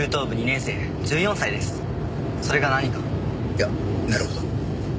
いやなるほど。